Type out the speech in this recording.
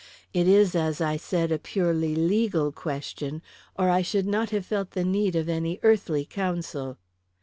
It is, as I said, a purely legal question, or I should not have felt the need of any earthly counsel."